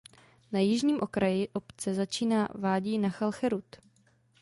Na jižním okraji obce začíná vádí Nachal Cherut.